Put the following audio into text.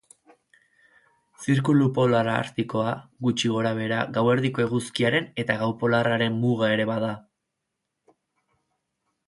Zirkulu Polar Artikoa gutxi gorabehera gauerdiko eguzkiaren eta gau polarraren muga ere bada.